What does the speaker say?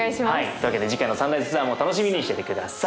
というわけで次回の「サンライズツアー」も楽しみにしてて下さい。